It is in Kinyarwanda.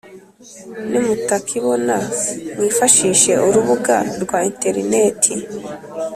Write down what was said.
nimutakibona mwifashishe urubuga rwa interineti